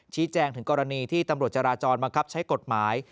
แจ้งถึงกรณีที่ตำรวจจราจรบังคับใช้กฎหมาย